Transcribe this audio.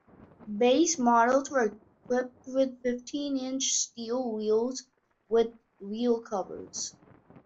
Base models were equipped with fifteen-inch steel wheels with wheel covers.